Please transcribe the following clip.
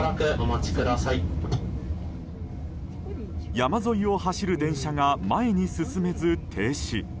山沿いを走る電車が前に進めず停止。